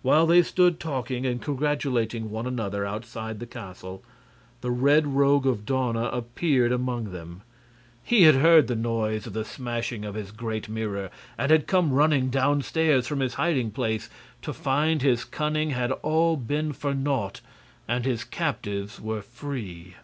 While they stood talking and congratulating one another outside of the castle, the Red Rogue of Dawna appeared among them. He had heard the noise of the smashing of his great mirror, and had come running downstairs from his hiding place to find his cunning had all been for naught and his captives were free.